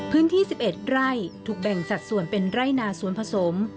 พื้นที่๑๑ไร่ถูกแบ่งสัตว์ส่วนเป็นไร่นาสวนผสม